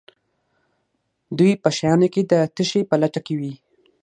دوی په شیانو کې د تشې په لټه کې وي.